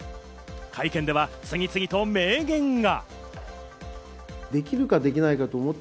会見では次々と名言が。